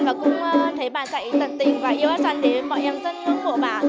và cũng thấy bà dạy tận tình và yêu hát xoan đến mọi em dân nước của bà